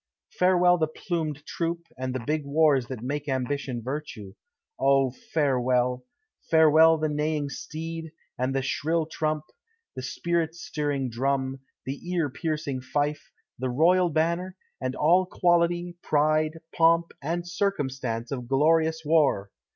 Farewell the plumed troop, and the big wars that make ambition virtue! O, farewell! Farewell the neighing steed, and the shrill trump, the spirit stirring drum, the ear piercing fife, the royal banner, and all quality, pride, pomp, and circumstance of glorious war!